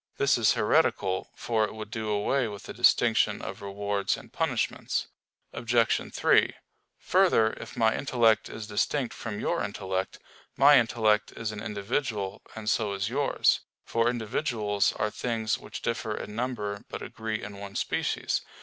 This is heretical; for it would do away with the distinction of rewards and punishments. Obj. 3: Further, if my intellect is distinct from your intellect, my intellect is an individual, and so is yours; for individuals are things which differ in number but agree in one species.